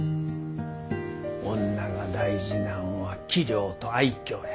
女が大事なんは器量と愛嬌や。